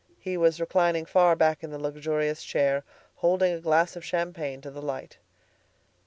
He was reclining far back in the luxurious chair, holding a glass of champagne to the light.